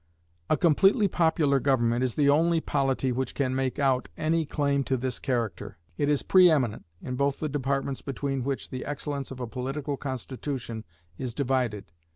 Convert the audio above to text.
A completely popular government is the only polity which can make out any claim to this character. It is pre eminent in both the departments between which the excellence of a political Constitution is divided.